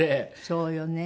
そうよね。